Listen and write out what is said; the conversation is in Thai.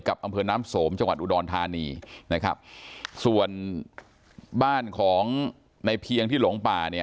อำเภอน้ำสมจังหวัดอุดรธานีนะครับส่วนบ้านของในเพียงที่หลงป่าเนี่ย